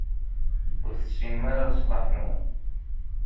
Ur tessinem ara leṣlaḥ-nwen.